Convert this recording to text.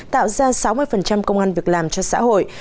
tạo ra sáu mươi công an việc làm cho xã hội